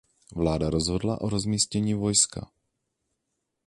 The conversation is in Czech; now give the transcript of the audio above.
Vláda rozhodla o rozmístění vojska.